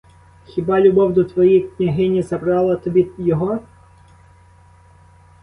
Хіба любов до твоєї княгині забрала тобі його?